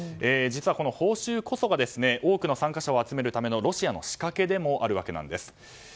実は報酬こそが多くの参加者を集めるためのロシアの仕掛けでもあるわけです。